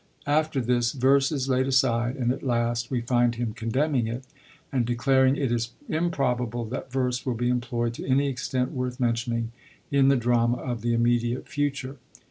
After this, verse is laid aside, and at last we find him condemning it, and declaring 'it is improbable that verse will be employed to any extent worth mentioning in the drama of the immediate future....